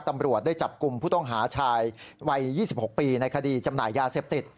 ตำรวจได้จับกลุ่มผู้ต้องหาชายวัย๒๖ปีในคดีจำหน่ายยาเสพติด